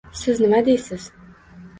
Siz nima deysiz?